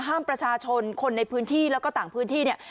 ห้ามประชาชนคนในพื้นที่แล้วก็ต่างพื้นที่เนี่ย